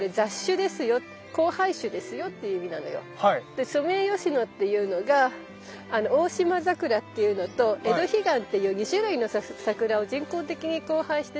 でソメイヨシノっていうのがオオシマザクラっていうのとエドヒガンっていう２種類のサクラを人工的に交配して作られた種類なのね。